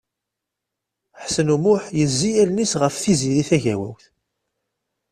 Ḥsen U Muḥ yezzi allen-is ɣef Tiziri Tagawawt.